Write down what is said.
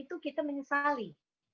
itu kita menyesali